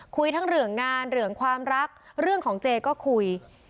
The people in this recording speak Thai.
คุยทั้งเรื่องงานเรื่องความรักเรื่องของเจก็คุย